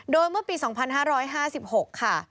โดยเมื่อปี๒๕๕๖ค่ะ